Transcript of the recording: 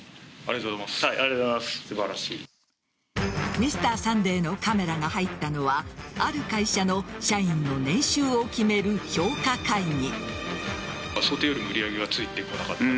「Ｍｒ．サンデー」のカメラが入ったのはある会社の社員の年収を決める評価会議。